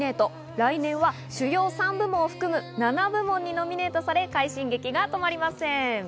来年は主要３部門を含む７部門にノミネートされ快進撃が止まりません。